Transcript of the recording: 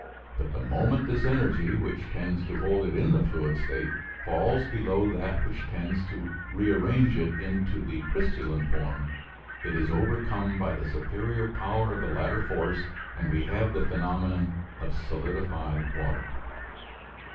But the moment this energy, which tends to hold it in the fluid state, falls below that which tends to rearrange it into the crystalline form, it is overcome by the superior power of the latter force, and we have the phenomenon of solidified water.